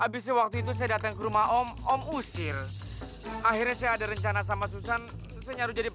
bahkan masih punya ngajetik